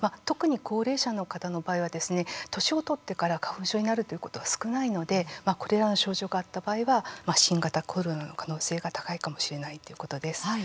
特に高齢者の方の場合はですね年を取ってから花粉症になるということは少ないのでこれらの症状があった場合は新型コロナの可能性が高いかもしれないということです。